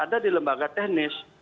ada di lembaga teknis